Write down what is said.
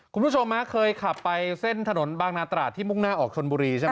คุณผู้ชมเคยขับไปเส้นถนนบางนาตราดที่มุ่งหน้าออกชนบุรีใช่ไหม